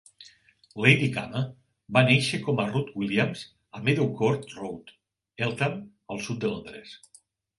Lady Khama va néixer com a Ruth Williams a Meadowcourt Road, Eltham, al sud de Londres.